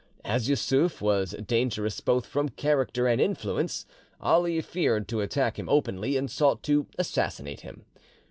As Yussuf was dangerous both from character and influence, Ali feared to attack him openly, and sought to assassinate him.